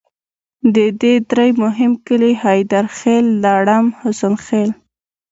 د دې درې مهم کلي حیدرخیل، لړم، حسن خیل.